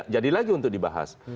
jadi lagi untuk dibahas